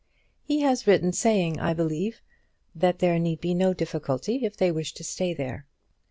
He has written, saying, I believe, that there need be no difficulty if they wish to stay there.